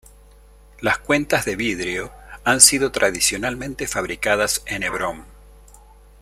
Las cuentas de vidrio han sido tradicionalmente fabricadas en Hebrón.